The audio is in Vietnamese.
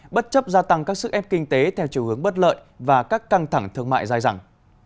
bất chấp gia tăng các sức ép kinh tế theo chiều hướng bất lợi và các căng thẳng thương mại dài dẳng